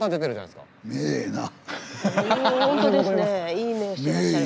いい目をしてらっしゃる。